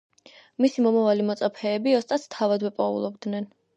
მისი მომავალი მოწაფეები ოსტატს თავადვე პოულობდნენ.